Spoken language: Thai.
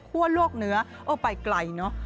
คั่วลวกเนื้อไปไกลเนอะ